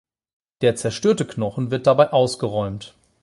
Der zerstörte Knochen wird dabei ausgeräumt.